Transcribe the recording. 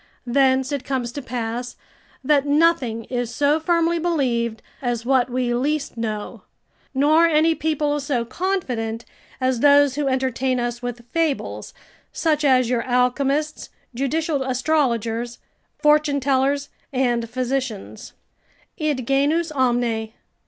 Thence it comes to pass, that nothing is so firmly believed, as what we least know; nor any people so confident, as those who entertain us with fables, such as your alchemists, judicial astrologers, fortune tellers, and physicians, "Id genus omne."